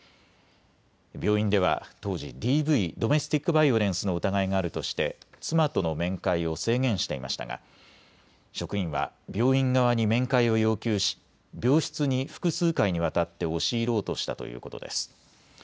病院では当時、ＤＶ・ドメスティックバイオレンスの疑いがあるとして妻との面会を制限していましたが職員は病院側に面会を要求し病室に複数回にわたって押し入ろうとしたということです。